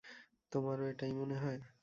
তোমারও এটাই মনে হয়?